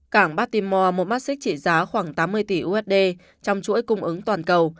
cảng baltimore một mắt xích chỉ giá khoảng tám mươi tỷ usd trong chuỗi cung ứng toàn cầu